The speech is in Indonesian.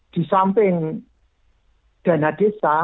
di samping dana desa